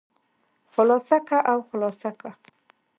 خلاصه که او خلاصه که.